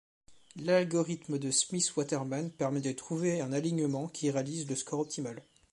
L'algorithme de Smith-Waterman permet de trouver un alignement qui réalise le score optimal.